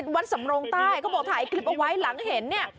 วัดสำโรงใต้เขาบอกถ่ายคลิปเอาไว้หลังเห็นเนี่ย